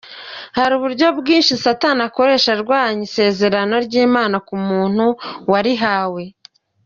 Hari uburyo bwinshi Satani akoresha arwanya isezerano ry’Imana ku muntu warihawe:.